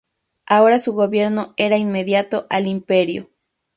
Ahora su gobierno era inmediato al Imperio.